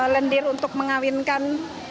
lendir untuk mengawinkan